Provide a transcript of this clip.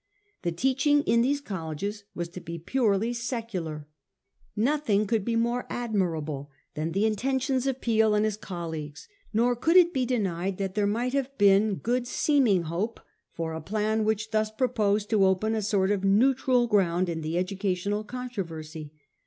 The teaching in these colleges was to be purely secular Nothing could be more admirable than the intentions of Peel and his colleagues. Nor could it be denied that there might have been good seeming hope for a plan which thus proposed to open a sort of neutral ground in the educational controversy.